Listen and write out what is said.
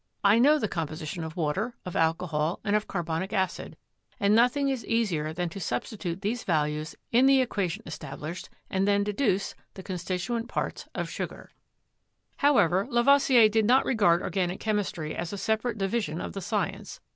I know the com position of water, of alcohol, and of carbonic acid, and nothing is easier than to substitute these values in the equation established and then deduce the constituent parts of sugar." 219 220 CHEMISTRY However, Lavoisier did not regard organic chemistry as a separate division of the science.